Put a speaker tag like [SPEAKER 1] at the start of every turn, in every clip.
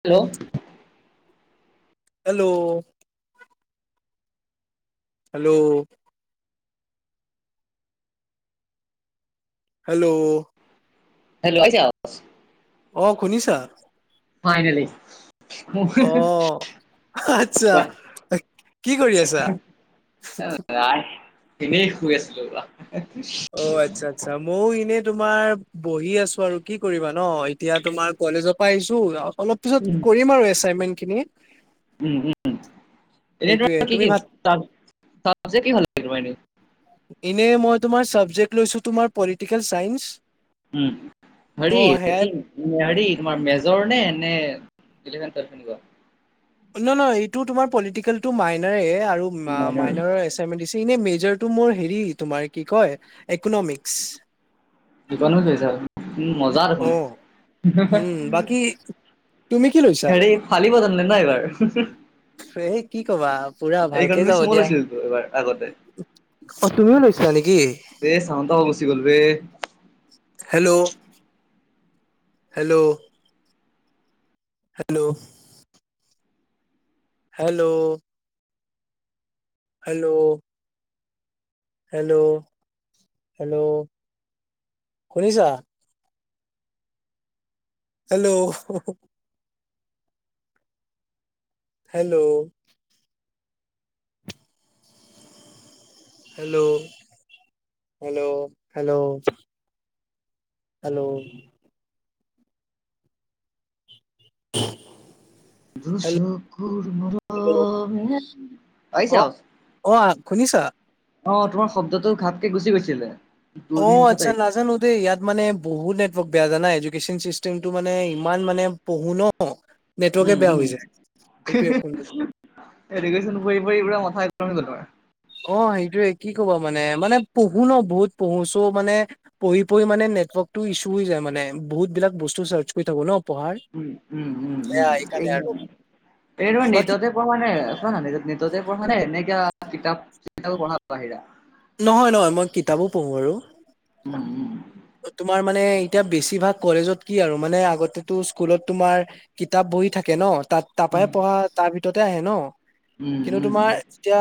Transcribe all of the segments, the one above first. [SPEAKER 1] Hello
[SPEAKER 2] hello hello hello
[SPEAKER 1] hello আহিছ
[SPEAKER 2] অ শুনিছা
[SPEAKER 1] ফাইনেলি
[SPEAKER 2] অ আচ্ছা
[SPEAKER 1] কোৱা
[SPEAKER 2] কি কৰি আছা?
[SPEAKER 1] ন এনেই শুই আছিলো
[SPEAKER 2] অঁ আচ্ছা আচ্ছা মই এনেই তোমাৰ বহি আছো আৰু কি কৰিবা ন এতিয়া তোমাৰ কলেজৰ পৰা আহিছো অলপ পিছত কৰিম আৰু এছাইনমেন্ট খিনি।
[SPEAKER 1] উম উম উম। এনে
[SPEAKER 2] সেইটোয়ে
[SPEAKER 1] তোমাৰ কি
[SPEAKER 2] তুমি
[SPEAKER 1] কি
[SPEAKER 2] ভাত
[SPEAKER 1] চাবজেক্ট ভাল লাগে তোমাৰ এনেই।
[SPEAKER 2] এনেই মই তোমাৰ চাবজেক্ট লৈছো তোমাৰ পলিটিকেল চাইন্স
[SPEAKER 1] উম
[SPEAKER 2] অ
[SPEAKER 1] হৰি
[SPEAKER 2] সেয়াই
[SPEAKER 1] কি হৰি তোমাৰ মেজৰ নে নে দিলিখখন তৰফিন গোৱা
[SPEAKER 2] নহ নহয় এইটো তোমাৰ পলিটিকেলটো মাইনাৰে আৰু
[SPEAKER 1] মাইনৰ
[SPEAKER 2] মাইনাৰ এচমে এনে মেজৰটো মোৰ হেৰি তোমাৰ কি কয় ইকনমিক্স
[SPEAKER 1] জীৱানো গৈছা মজা
[SPEAKER 2] অ
[SPEAKER 1] দেখোন।
[SPEAKER 2] উম বাকী তুমি কি লৈছা?
[SPEAKER 1] হৰি ফালি বতান নে ন এইবাৰ
[SPEAKER 2] এই কি কবা পুৰা
[SPEAKER 1] এইকাৰণ
[SPEAKER 2] ভালকে যাব
[SPEAKER 1] ইকনমিক্স মইওঁ
[SPEAKER 2] দিয়া।
[SPEAKER 1] লৈছিলো তো এইবাৰ আগতে।
[SPEAKER 2] অ তুমিও লৈছিলা নেকি?
[SPEAKER 1] এ ছাউণ্ড টো গুচি গ'ল ৰে
[SPEAKER 2] hello hello. Hello. Hello. Hello. Hello hello শুনিছা। Hello. Hello. Hello hello hello. Hello. [unintelligible] Hello
[SPEAKER 1] দুচকুৰ মৰমে।
[SPEAKER 2] অঁ আ শুনিছা।
[SPEAKER 1] অঁ তোমাৰ শব্দটো ঘাপকে গুচি গৈছিলে। দুই
[SPEAKER 2] অঁ
[SPEAKER 1] মিনিটত
[SPEAKER 2] আচ্ছা
[SPEAKER 1] আহিলে
[SPEAKER 2] নাজানোঁ দে ইয়াত মানে বহুত নেটৱৰ্ক। বহুত বেয়া জানা এডুকেচন চিষ্টেমটো মানে ইমান মানে পঢ়ো ন। নেটৱৰ্কে
[SPEAKER 1] উম
[SPEAKER 2] বেয়া হৈ
[SPEAKER 1] উম
[SPEAKER 2] যায়
[SPEAKER 1] হি
[SPEAKER 2] সেইটোৱে
[SPEAKER 1] হি
[SPEAKER 2] ফোনটো।
[SPEAKER 1] এডুকেশ্বন পঢ়ি পঢ়ি পুৰা মাথা। তেওঁলোকৰ।
[SPEAKER 2] অঁ সেইটোয়ে কি ক'ব মানে মানে পঢ়ো ন, বহুত পঢ়ো ছো মানে পঢ়ি পঢ়ি মানে নেটৱৰ্ক। নেটৱৰ্ক ইচু হৈ যায় মানে বহুত বিলাক বস্তু চাৰ্চ কৰি থাকো ন। পঢ়াৰ
[SPEAKER 1] উম উম উম
[SPEAKER 2] এয়া এইকাৰণে
[SPEAKER 1] উম।
[SPEAKER 2] আৰু
[SPEAKER 1] এইটো নেট
[SPEAKER 2] বাকী
[SPEAKER 1] তে পঢ়া নে চোৱা না নেট তে পঢ়া নে এনেকা। কিতাপ চিটা পঢ়া বাহিৰা।
[SPEAKER 2] নহয় নহয় মই কিতাপো পঢ়ো আৰু।
[SPEAKER 1] উম উম।
[SPEAKER 2] তোমাৰ মানে এতিয়া বেছিভাগ কলেজত কি আৰু মানে আগতেতো স্কুলত তোমাৰ কিতাপ। পঢ়ি থাকে ন তাত তাৰপৰা
[SPEAKER 1] উম
[SPEAKER 2] পঢ়া তাৰ ভিততে আহে ন
[SPEAKER 1] উম
[SPEAKER 2] কিন্তু
[SPEAKER 1] উম।
[SPEAKER 2] তোমাৰ এতিয়া।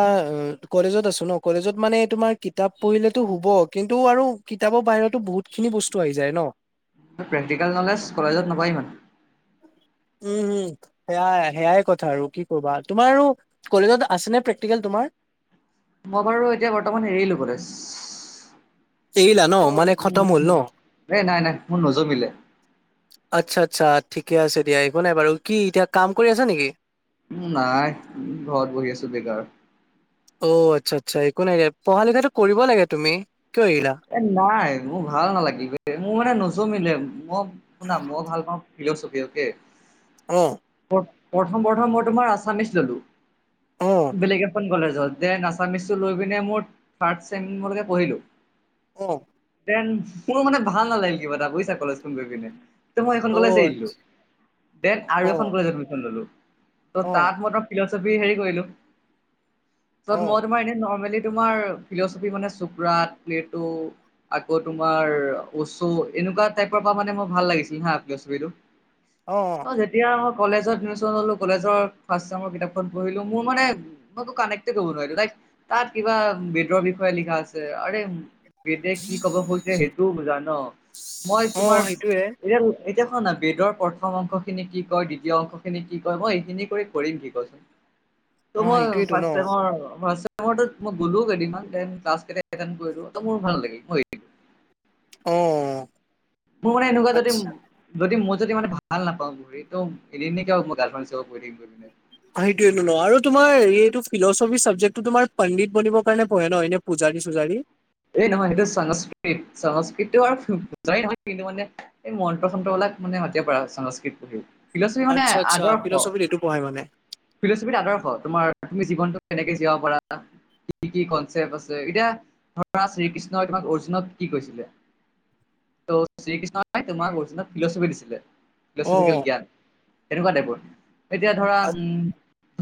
[SPEAKER 2] কলেজত আছোঁ ন কলেজত মানে তোমাৰ কিতাপ পঢ়িলেতটো হুব কিন্তু আৰু কিতাপৰ বাহিৰতো বহুত। খিনি বস্তু আহি যায় ন।
[SPEAKER 1] প্ৰেক্টিকেল নলেজ কলেজত নাপায় ইমান।
[SPEAKER 2] উম। উম উম সেয়াই সেয়াই কথা আৰু কি কবা তোমাৰ আৰু কলেজত আছে নে প্ৰেক্টিকেল তোমাৰ। [unintelligible]
[SPEAKER 1] মই বাৰু এতিয়া বৰ্তমান এৰিলো কলেজ।
[SPEAKER 2] এৰিলা ন মানে খতম হ'ল ন
[SPEAKER 1] উম এ নাই নাই মোৰ নজমিলে।
[SPEAKER 2] আচ্ছা আচ্ছা ঠিকে আছে দিয়া। একো নাই বাৰু কি এতিয়া কাম কৰি আছা নেকি।
[SPEAKER 1] উম নাই ঘৰত বহি আছোঁ বেকাৰ।
[SPEAKER 2] অ আচ্ছা আচ্ছা একো নাইকে পঢ়া লিখাটো কৰিব লাগে তুমি। কিয় এৰিলা
[SPEAKER 1] এ নাই মোৰ ভাল নালাগিলে মোৰ মানে নোজমিলে মই শুনা মই ভাল পাওঁ। ফিলচফি অকলে।
[SPEAKER 2] অহ
[SPEAKER 1] প্ৰথম প্ৰথম মই তোমাৰ আছামিচ ললোঁ
[SPEAKER 2] অ
[SPEAKER 1] বেলেগ এখন কলেজ। য'ত যে আচামিচটো লৈ পিনে মোৰ থাৰ্ড ছেম লৈকে পঢ়িলোঁ।
[SPEAKER 2] অহ।
[SPEAKER 1] এন্ড মোৰ মানে ভাল নালাগিল কিবা এটা বুজিছা কলেজ খন গৈ কিনে। মই
[SPEAKER 2] অ
[SPEAKER 1] এইখন কলেজ এৰি দিলোঁ দেন
[SPEAKER 2] অ
[SPEAKER 1] আৰু এখন কলেজ এডমিশন ললোঁ।
[SPEAKER 2] অ
[SPEAKER 1] তাত মই ফিলছফী হেৰি কৰিলোঁ
[SPEAKER 2] অ
[SPEAKER 1] মই তোমাৰ এনে নৰমেলি। তোমাৰ ফিলচফি মানে চুপৰাত প্লেট। আকৌ তোমাৰ ওচো এনেকুৱা টাইপৰ পৰা মানে মোৰ ভাল লাগিছিল হা আপ্ল ফিলছফিটো। অ যেতিয়া আহক। কলেজত এডমিশ্যন ললোঁ কলেজৰ ফাষ্ট ছেম কিতাপখন পঢ়িলোঁ মোৰ মানে মই কানে্টেড হ'ব নোৱাৰিলোঁ লাইক। তাত কিবা বেদৰ বিষয়ে লিখা আছে আৰে কেতিয়া কি কব খুজিছে সেইটোও বোজা ন মই
[SPEAKER 2] অ
[SPEAKER 1] তোমাৰ
[SPEAKER 2] সেইটোয়ে
[SPEAKER 1] এতিয়া এতিয়া শোৱা না বেদৰ প্ৰথম অংশ খিনি কি কয় দ্বিতীয় অংশখিনি কি কয় মই এইখিনি কৰি কৰিম কি কোৱাচোন?
[SPEAKER 2] [inaudible]
[SPEAKER 1] মই
[SPEAKER 2] সেইটোয়েতো ন
[SPEAKER 1] ফাতেমৰ গলোও কেইদিনমানল গলো মোৰ ভাল লাগিল।
[SPEAKER 2] অ
[SPEAKER 1] মোৰ মানে এনেকুৱা যদি
[SPEAKER 2] আচ্ছা
[SPEAKER 1] যদি যদি মানে ভাল নাপাওঁ ঘূৰি তো এদিন কিয় মই গাৰ্লফ্ৰড চব গৈ থাকম দু দিনে
[SPEAKER 2] সেইটোয়ে ন আৰু তোমাৰ এইটো ফিলচফি চাবজেক্টটো তোমাৰ পণ্ডিত বনিলে কাৰণে পঢ়ে ন এনে পজা পুজাৰি চুজাডি।
[SPEAKER 1] এই নহয় সেইটো সংস্কৃত সংস্কৃতটো আৰু বুজাই নহয় কিন্তু মানে এই মন্ত্ৰ সন্ত্ৰ বলাক মানে সতে পৰা সংস্কৃত পঢ়ি ফিলচফি মানে
[SPEAKER 2] আচ্ছা আচ্ছা
[SPEAKER 1] আদৰ্শ
[SPEAKER 2] ফিলচফিত এইটো পঢ়াই মানে
[SPEAKER 1] ফিলচফি আদৰ্শ তোমাৰ তুমি জীনটো কেনেকে জীয়াব পাৰা কি কি কনচেপট আছে এতিয়া তৰা শ্ৰীকৃষ্ণই তোমাক অৰ্জুনত কি কৈছিলে? ত শ্ৰীকৃষ্ণই তোমাক অৰিজিনেল ফিলচফি দিছিলে।
[SPEAKER 2] অ
[SPEAKER 1] ফচফিকেল জ্ঞান এনেকুৱা টাইপৰ এতিয়া ধৰা
[SPEAKER 2] আ-
[SPEAKER 1] উম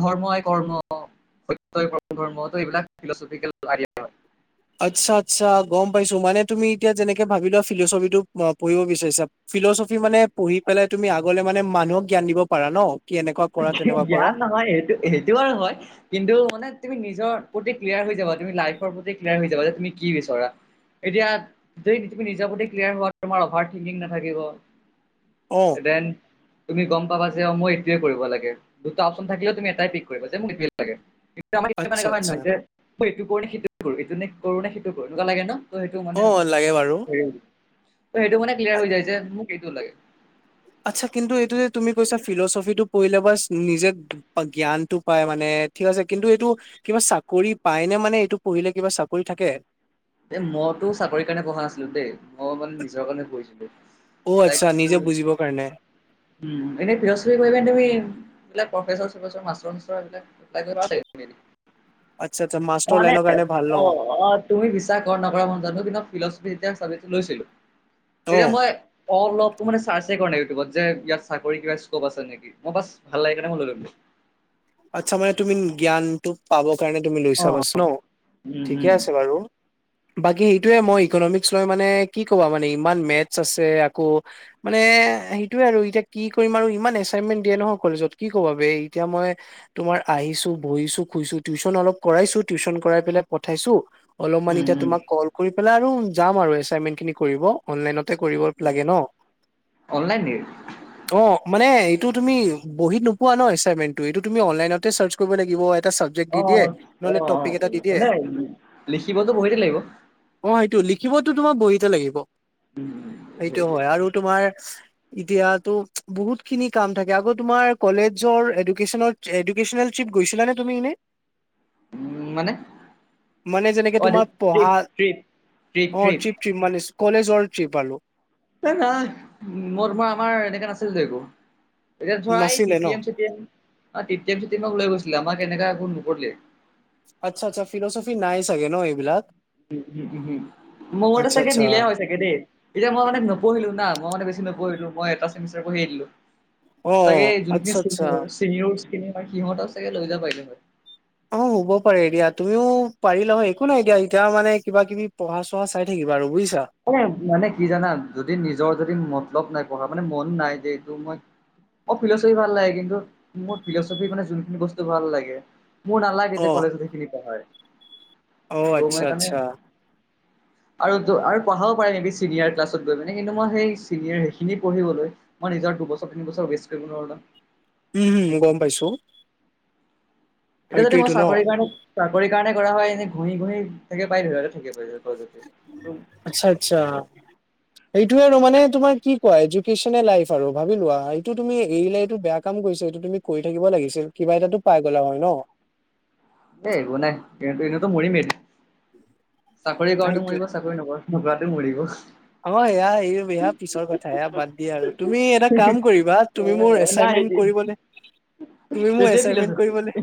[SPEAKER 1] ধৰ্মই কৰ্ম সত্যই পৰম ধৰ্মক এইবিলাক ফিলচফিকেল আইডিয়া হয়।
[SPEAKER 2] আচ্ছা আচ্ছা গম পাইছো মানে তুমি এতিয়া যেনেকে ভাবি লোৱা ফিলচফিটো পঢ়িব বিচাৰিছা ফিলচফি মানে পঢ়ি পেলাই তুমি আগলে মানে মানুহক জ্ঞান দিবপাৰা ন কি এনেকুৱা কৰা তেনেকুৱা কৰা
[SPEAKER 1] জ্ঞান নহয় সেইটো সেইটো আৰু হয় কিন্তু মানে তুমি নিজৰ প্ৰতি ক্লিয়াৰ হৈ যাব তুমি লাইফৰ প্ৰতি ক্লিয়াৰ হৈ যাব যে তুমি কি বিচৰা। এতিয়া তুমি নিজা প্ৰতি ক্লিয়াৰ হোৱাত তোমাৰ অভাৰ থংকিং নাথাকিব,
[SPEAKER 2] অ
[SPEAKER 1] দেন তুমি গম পাবা যে অ মই এতিয়া কৰিব লগে দুটা অপশচন থাকিলে তুমি এট পিক কৰিব যে মাৰ
[SPEAKER 2] আচ্ছা
[SPEAKER 1] একুৱা
[SPEAKER 2] আচ্ছা
[SPEAKER 1] নহয় যে মই এইটো কৰো নে সেইটো কৰো এইটো নে কৰো নে সেইটো কৰো এনেকুৱা লাগে ন? ত সেইটো
[SPEAKER 2] অ
[SPEAKER 1] মানে
[SPEAKER 2] লাগে বাৰু
[SPEAKER 1] ত সেইটো মানে ক্লিয়াৰ হৈ যায় যে মোক সটো লাগে।
[SPEAKER 2] আচ্ছা কিন্তু এইটো যে তুমি কৈছা। ফিলচফি টো পঢ়িলে বাচ নিজে জ্ঞানটো পাই মানে ঠিক আছে, কিন্তু এইটো কিবা কৰি পায়নে মানে এইটো পঢ়িলে কিবা চাকৰি থাকে
[SPEAKER 1] দে মইতো চাকৰিৰ কাৰণে পঢ়া নাছিলো দেই মই মানে নিজৰ কাৰণে
[SPEAKER 2] অ আচ্ছা নিজে
[SPEAKER 1] পঢ়িছিলো।
[SPEAKER 2] বুজিবৰ কাৰণে
[SPEAKER 1] এনে ফিলচফি কৰিবা'নে তুমি এইবিলাক প্ৰফেছাৰ চফেছৰ মাছটৰ চাচ'তৰ এইবাক এপ্লাই কৰিব
[SPEAKER 2] আচ্ছা আচ্ছা মাষ্টৰ
[SPEAKER 1] মানে
[SPEAKER 2] লাইনৰ কাৰণে ভাল ন
[SPEAKER 1] অ অ তুমি বিশ্বাস কৰা নকৰা মন জানো কিন্তু ফিলচফি এয়া লৈছিলো
[SPEAKER 2] অ
[SPEAKER 1] এতিয়া মই অলপ মানে চাৰ্ছে কৰা নাই ইউটিউবত যে ইয়াত চাকৰি কিবা স্কোপ আছে নেকি। মই বাছ ভাল লাগে কাৰণে মই লৈললো।
[SPEAKER 2] আচ্ছা মানে তুমি জ্ঞানটো পাব কাৰণে তুমি লৈছা
[SPEAKER 1] অ',
[SPEAKER 2] বাচ ন?
[SPEAKER 1] উম,
[SPEAKER 2] ঠিকে
[SPEAKER 1] উম,
[SPEAKER 2] আছে বাৰু। বাকী সেইটোয়ে মই ইকনমিকস লৈ মানে কি ক'বা মানে ইমান মে'তছ আছে, আকৌ মানে এ সেইটোয়ে আৰু এতিয়া কি কৰিম আৰু ইমান এচাইনমেন্ট দিয়ে নহয় কলেজত কি কবা বেই এতিয়া মই তোমাৰ আহিছো, বহিছো, শুইছো, টিউশচন অলপ কৰাইছো টিউশচন কৰাই পেলাই পঠাইছো অলপমান
[SPEAKER 1] উম,
[SPEAKER 2] এতিয়া
[SPEAKER 1] উম,
[SPEAKER 2] তোমাক কল কৰি পেলাই আৰু যাম আৰু এছাইনমেন্ট খিনি কৰিব অনলাইনত কৰিব লাগে ন?
[SPEAKER 1] অনলাইন নেকি?
[SPEAKER 2] অ মানে টো তুমি বহিত নোপোৱা ন এচাইন্টমেনটো এইটো তুমি অনলাইনতে চাৰ্চ কৰিবাগিব চাবজেক্ট দি দিয়ে,
[SPEAKER 1] অ',
[SPEAKER 2] নহলে
[SPEAKER 1] অ', অ',
[SPEAKER 2] টপিক এটা দি দিয়ে,
[SPEAKER 1] মানে লিখিবতো বহীতে লাগিব।
[SPEAKER 2] অ স লিখিবতো তোমাক বহিতে লাগিব
[SPEAKER 1] উম, উম,
[SPEAKER 2] সেইটো
[SPEAKER 1] সেইটোৱে।
[SPEAKER 2] হয় আৰু তোমাৰ এতিয়াতো বহুত খিনি কাম থাকে আকৌ তোমাৰ কলেজৰ এডোকে'চনেল ট্ৰিপ গৈছিলা নে তুমি এনে?
[SPEAKER 1] উম মানে?
[SPEAKER 2] মানে যেনেকে
[SPEAKER 1] অ',
[SPEAKER 2] তোমাৰ
[SPEAKER 1] ট্ৰিপ,
[SPEAKER 2] পঢ়া
[SPEAKER 1] ট্ৰিপ, ট্ৰিপ,
[SPEAKER 2] অ
[SPEAKER 1] ট্ৰিপ।
[SPEAKER 2] পিপ মানে [unintelligible] কলেজৰ ত্ৰিপ আৰু।
[SPEAKER 1] ন নাই মোৰ মই আমাৰ এনেকাে নাছিলতো একো। এতিয়া ধৰা কে
[SPEAKER 2] নাছিলে ন
[SPEAKER 1] তি এম, লৈ কে তি এমক গৈছিলে। আমাৰ কেনেকা ক নপলে [unintelligible]
[SPEAKER 2] আচ্ছা আচ্ছা ফিলোচফি নাই চাগে ন এইবিলাক?
[SPEAKER 1] উম উম উম উম। মোৰটো
[SPEAKER 2] আচ্ছা
[SPEAKER 1] চাগে
[SPEAKER 2] আচ্ছা
[SPEAKER 1] নিলে হয় চাগে দেই, এতিয়া মই মানে নপঢ়িলো না মই মানে বেছি নপঢ়িলো। ম এটা ছেমিষ্টাৰ পঢ়ি এৰি দিলো।
[SPEAKER 2] অ
[SPEAKER 1] চাগে
[SPEAKER 2] আচ্ছা
[SPEAKER 1] যোনখিন-
[SPEAKER 2] আচ্ছা
[SPEAKER 1] খিনি বা সিহঁতক চাগে লৈ যাব পাৰিলে হয়।
[SPEAKER 2] অ হ'ব পাৰে দিয়া তুমিও পাৰিলা হয়। একো নাই এতিয়া এতিয়া মানে কিবা কিবি পঢ়া চ়া চাই থাকিব। বাৰু বুইছ।
[SPEAKER 1] এ মানে কি জানা যদি নিজৰ যদি ম- অলপ নাই পঢ়া, মানে মন নাই যে এইটো মই অ ফিলচফি ভাল লাগে। কিন্তু মোৰ ফিলচফিৰ মানে যোনখিনি বস্তু ভাল লাগে। মোৰ নালাগে
[SPEAKER 2] অ
[SPEAKER 1] যে কলেজত এইখিনি পঢ়াই।
[SPEAKER 2] অ
[SPEAKER 1] ত
[SPEAKER 2] আচ্ছা
[SPEAKER 1] মই কাৰণে
[SPEAKER 2] আচ্ছা
[SPEAKER 1] আৰু আৰু পঢ়াও পাৰি নেবি চিনিয়ৰ ক্লাছত গৈ মানে, কিন্ত মই সেই চিনিয়ৰ সেইখিনি পঢ়িব মই নিজ দুবছৰ তিন বছৰ, ৱেষ্ট কৰিব নোৱাৰো ন।
[SPEAKER 2] উম হম গম পাইছো।
[SPEAKER 1] এতিয়া যদি মই
[SPEAKER 2] সেইটোয়েইটো ন
[SPEAKER 1] চাকৰি কাৰণে চাকৰি কাৰণে কৰা হয়, এনেই ঘঁহি ঘঁহি থাকে পাই ধ ল থাকে পাই যো-
[SPEAKER 2] আচ্ছা আচ্ছা। সেইটোৱে আৰু মানে তোমাৰ কি কোৱা এডুকেশ্বন লাইফ আৰু ভাবি লো। এইটো তুমি এ এইটো বেয়া কাম এইটো তুমি কৰি থাকিব লাগিছিল। কিবা এটাটো পাই গলা হয় ন।
[SPEAKER 1] এ একো নাই কিন্তু এনেতো মৰিমেই, চাকৰি কৰাটো
[SPEAKER 2] সেইটোৱে
[SPEAKER 1] মৰিব, চাকৰি নকৰা - টো মৰিব।
[SPEAKER 2] অ সেয়া এই পিছৰ কথা বাদ দিয়া আৰু তুমি এটা কাম কৰিবা, তুমি মোৰ এ-
[SPEAKER 1] নাই এ
[SPEAKER 2] তুমি মোৰ এছাইন্মেন্ত কৰিবলে।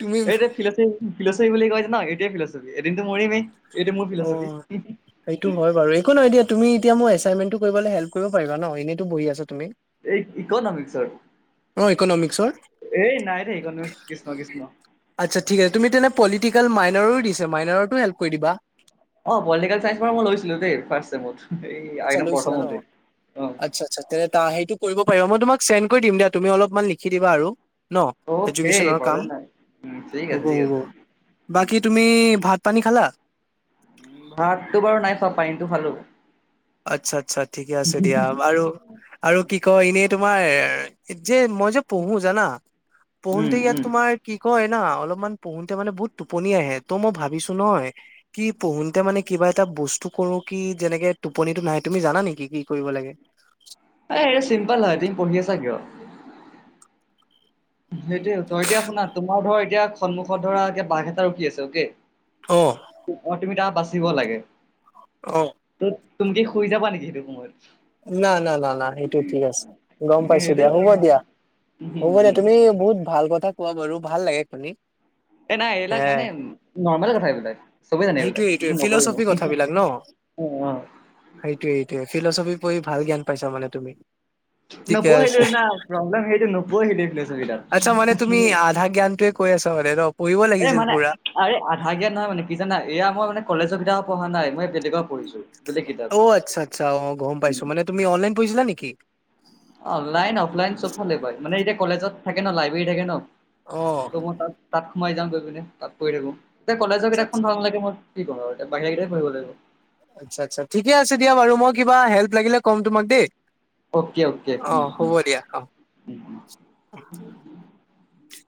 [SPEAKER 2] তুমি
[SPEAKER 1] এতিয়া ফচ ফিলচফি বুলি কয়, যে ন এতিয় ফিলচফি এদিনতো মৰিমেই। এইটো মোৰ
[SPEAKER 2] অ
[SPEAKER 1] ফিলচফি
[SPEAKER 2] সেইটো হয় বাৰু। একো নহয় এ দিয়া তুমি এতিয়াই এছাইন্মেন্ত টো কৰিবলে হেল্প কৰিবা ন এনেইটো বহি আছো।
[SPEAKER 1] এই ইকনমিকছৰ।
[SPEAKER 2] অ ইকনমিক্সৰ
[SPEAKER 1] এই নাই দেই ইকনমিকচৰ কৃষ্ণ কৃষ্ণ।
[SPEAKER 2] আচ্ছা ঠিক আছে। তুমি তেনে পলিটিকেল মাইনৰো দিছে, মাইনৰতো হেল্প কৰি দিবা।
[SPEAKER 1] অ পলিটিকেল চাইন্ঞ্চ পৰা মই লৈছিলো দেই ফাৰ্ষ্ট ছেমত।
[SPEAKER 2] আচ্ছা লৈছিলা ন। আচ্ছা আচ্ছা তেনে সেইটো কৰিব- পাৰিবা। মই তোমাক চেণ্ড কৰি দিম দিয়া, তুমি অলপমান লিখি দিবা আৰু। ন
[SPEAKER 1] অ সেই
[SPEAKER 2] এডুকেশ্যনৰ কাম।
[SPEAKER 1] প্ৰব্লেম নাই উম ঠিক
[SPEAKER 2] হ'ব
[SPEAKER 1] আছে ঠিক
[SPEAKER 2] হ'ব
[SPEAKER 1] আছে উম
[SPEAKER 2] বাকী তুমি ভাত পানী খালা?
[SPEAKER 1] ভাততো বাৰু নাই খোৱা, পানীটো খালো।
[SPEAKER 2] আচ্ছা, আচ্ছা ঠিকে আছে দিয়া। আৰু আৰু কি কয় এনে তোমাৰ যে মই যে পঢ়ো জানা
[SPEAKER 1] উম
[SPEAKER 2] পঢ়োতে ইয়াত
[SPEAKER 1] উম।
[SPEAKER 2] তোমাৰ কি কই না অলপমান পঢ়োতে মানে বহুত টোপনি আহে, ত মই ভাবিছো নহ কি পঢ়োতে মানে কিবা এটা বস্তু কৰো, কি যেনেকে টোপনিটো নাহে। তুমি জানা নেকি কি কৰিব লাগে?
[SPEAKER 1] এ এইটো চিম্পল হয় তুমি পঢ়ি আছা কিয়? সেইটোয়ে তই এতিয়া শুনা তোমাৰ ধৰা এতিয়া সন্মুখত ধৰা এ বাঘ এটা ৰখি আছে অকে
[SPEAKER 2] অ
[SPEAKER 1] অ তুমি তাৰ বাচিব লাগে।
[SPEAKER 2] অ।
[SPEAKER 1] ত তুমি শুই যাবা নেকি সেইটো সময়ত?
[SPEAKER 2] না না না না সেইটো ঠিক আছে, গম পাইছো
[SPEAKER 1] সেইটোৱে
[SPEAKER 2] দিয়া হ'ব
[SPEAKER 1] আৰু ন।
[SPEAKER 2] দিয়া।
[SPEAKER 1] উম
[SPEAKER 2] হ'ব দে
[SPEAKER 1] উম।
[SPEAKER 2] তুমি বহুত ভাল কথা কোৱা বাৰু ভাল লাগে শুনি।
[SPEAKER 1] এই নাই এইবিলাক
[SPEAKER 2] এ
[SPEAKER 1] মানে নৰ্মেল কথা এইবিলাক, চবেই জানে এইবিলাক
[SPEAKER 2] সেইটোয়ে
[SPEAKER 1] কিন্তু
[SPEAKER 2] সেইটোয়ে
[SPEAKER 1] নক অ',
[SPEAKER 2] ফিলচফি কথাবিলাক ন
[SPEAKER 1] অ।
[SPEAKER 2] সেইটোৱে এইটোয়ে, ফিলচফি পঢ়ি ভাল জ্ঞান পাইছা মানে তুমি। ঠিকে
[SPEAKER 1] নপঢ়িলো
[SPEAKER 2] আছে
[SPEAKER 1] না প্ৰব্লেম সেইটো, নপঢ়িলো
[SPEAKER 2] আচ্ছা মানে তুমি আধা জ্ঞানটোৱে কৈ আছা মানে ন পঢ়িব
[SPEAKER 1] [unintelligible] এ
[SPEAKER 2] লাগিছিল
[SPEAKER 1] মানে
[SPEAKER 2] পুৰা
[SPEAKER 1] আ আধা কিয়াত নহয় মানে কি জানা এয়া মই মানে কলেজৰ কিতাপ পঢ়াই নাই, মই বেলেগৰ পঢ়িছো। বেলেগ কিতাপ
[SPEAKER 2] অ' আচ্ছা- আচ্ছা, অ' গম পাইছো মানে তুমি অনলাইন পঢ়িছিলা নেকি?
[SPEAKER 1] অ' অনলাইন-অফলাইন চবফালে কয়, মানে এতিয়া কলেজত থাকে ন লাইব্ৰেৰী থাকে ন'।
[SPEAKER 2] অ
[SPEAKER 1] ত' মই তাত তাত সোমাই যাওঁ, গৈ পিনে তাত পঢ়ি থাকো। এতিয়া কলেজৰ
[SPEAKER 2] আচ্ছা
[SPEAKER 1] কিতাপখন
[SPEAKER 2] আচ্ছা
[SPEAKER 1] ভাল লাগে মই কি কৰো আৰু এতিয়া বাহিৰা কিতাপ পঢ়িব লাগিব।
[SPEAKER 2] আচ্ছা-আচ্ছা ঠিকে আছে দিয়া বাৰু মই কিবা হেল্প লাগিলে ক'ম তোমাক দেই।
[SPEAKER 1] অকে অকে উম
[SPEAKER 2] অ'
[SPEAKER 1] উম
[SPEAKER 2] হ'ব দিয়া অ'
[SPEAKER 1] উম
[SPEAKER 2] [inaudible]